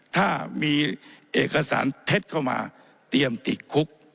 ถ้ามีเอกสารเท็จเข้ามาเตรียมติดคุก